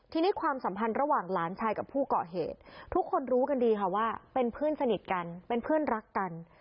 ทีนี้ความสัมพันธ์ระหว่างหลานชายกับผู้เกาะเหตุทุกคนรู้กันดีค่ะว่าเป็นเพื่อนสนิทกันเป็นเพื่อนรักกัน